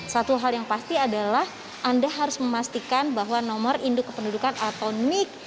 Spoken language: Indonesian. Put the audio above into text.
satu hal yang pasti adalah anda harus memastikan bahwa nomor induk kependudukan atau nic